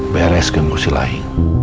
beres genggu silai